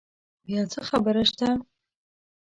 بیا څه خبره شته؟